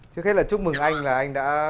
chưa hết là chúc mừng anh là anh đã